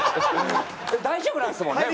大丈夫なんですもんね？